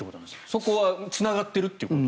そこはつながってるということ？